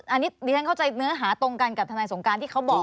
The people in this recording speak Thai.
อันนี้ดิฉันเข้าใจเนื้อหาตรงกันกับทนายสงการที่เขาบอก